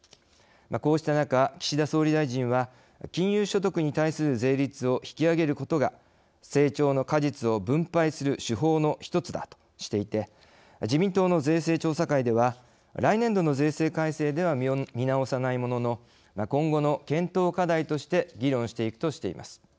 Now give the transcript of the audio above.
こうした中、岸田総理大臣は金融所得に対する税率を引き上げることが成長の果実を分配する手法の一つだとしていて自民党の税制調査会では来年度の税制改正では見直さないものの今後の検討課題として議論していくとしています。